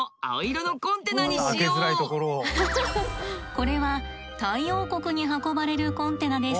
これはタイ王国に運ばれるコンテナです。